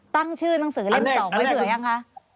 ตั้งชื่อหนังสือเล่ม๒ไว้เบื่อยังคะ